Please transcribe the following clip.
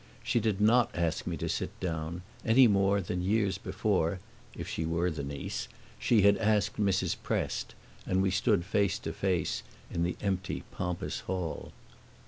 She did not ask me to sit down, any more than years before (if she were the niece) she had asked Mrs. Prest, and we stood face to face in the empty pompous hall.